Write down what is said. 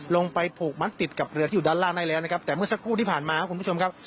ลงไปผูกมัดติดกับเรือที่อยู่ด้านล่างได้แล้วนะครับแต่เมื่อสักครู่ที่ผ่านมาครับคุณผู้ชมครับ